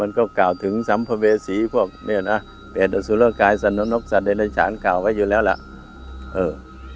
อ๋อมันก็กล่าวถึงสำพเวศีพวกนี่แหละนะเป็ดอสุรกายสันนกสันตินชาญกล่าวไว้อยู่แล้วล่ะเออ